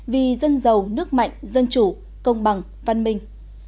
vì dân giàu nước mạnh dân chủ công bằng văn minh